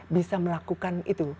bisa melakukan itu